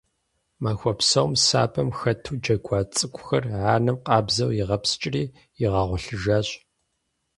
Махуэ псом сабэм хэту джэгуа цӏыкӏухэр анэм къабзэу игъэпскӏири игъэгъуэлъыжащ.